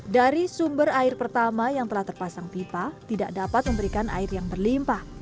dari sumber air pertama yang telah terpasang pipa tidak dapat memberikan air yang berlimpah